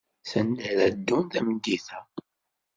Sanda ara ddun tameddit-a?